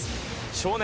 少年